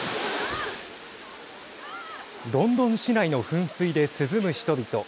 ロンドン市内の噴水で涼む人々。